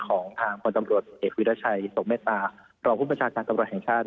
ของทางพลตำรวจเอกวิราชัยสมเมตตารองผู้ประชาการตำรวจแห่งชาติ